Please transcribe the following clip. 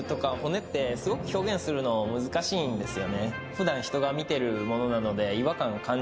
普段人が見てるものなので。